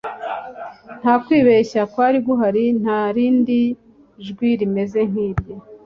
Nta kwibeshya kwari guhari: nta rindi jwi rimeze nk'irye,